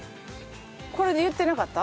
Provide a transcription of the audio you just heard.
これで言ってなかった？